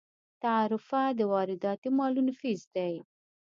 تعرفه د وارداتي مالونو فیس دی.